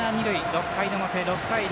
６回の表、６対２。